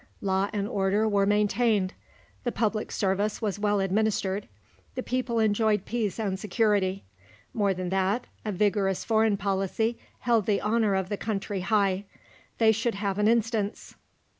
Law and order were maintained; the public service was well administered; the people enjoyed peace and security. More than that, a vigorous foreign policy held the honour of the country high. They should have an instance.